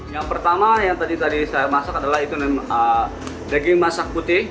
yang pertama yang tadi tadi saya masak adalah itu daging masak putih